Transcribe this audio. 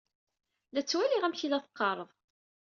La ttwaliɣ amek i la teqqaṛeḍ.